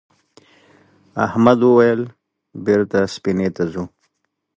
احمد وویل بېرته سفینې ته ځو.